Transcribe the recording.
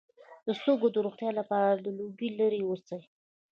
د سږو د روغتیا لپاره له لوګي لرې اوسئ